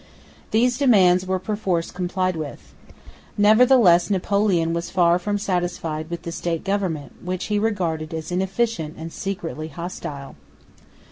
These demands were perforce complied with. Nevertheless Napoleon was far from satisfied with the State Government, which he regarded as inefficient and secretly hostile.